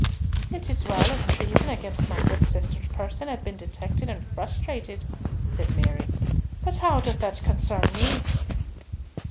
"It is well if treason against my good sister's person have been detected and frustrated," said Mary; "but how doth that concern me?"